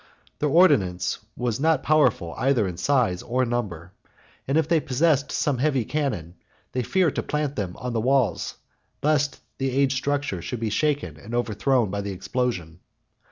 Their ordnance was not powerful, either in size or number; and if they possessed some heavy cannon, they feared to plant them on the walls, lest the aged structure should be shaken and overthrown by the explosion.